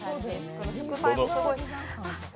この副菜もすごい。